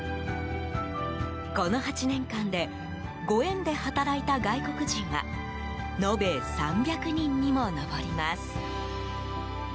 この８年間で御縁で働いた外国人は延べ３００人にも上ります。